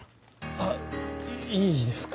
あっいいですか？